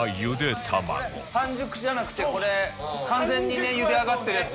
半熟じゃなくてこれ完全にゆで上がってるやつ。